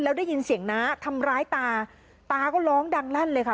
แล้วได้ยินเสียงน้าทำร้ายตาตาก็ร้องดังลั่นเลยค่ะ